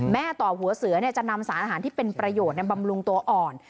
ต่อหัวเสือจะนำสารอาหารที่เป็นประโยชน์บำรุงตัวอ่อน